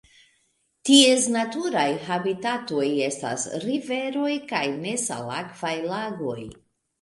Ties naturaj habitatoj estas riveroj kaj nesalakvaj lagoj.